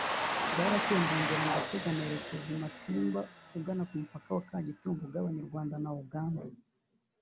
Bwaracyeye ndongera ndatega nerekeza i Matimba ugana ku mupaka wa Kagitumba ugabanya u Rwanda na Uganda